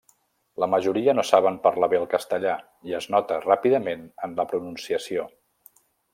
La majoria no saben parlar bé el castellà, i es nota ràpidament en la pronunciació.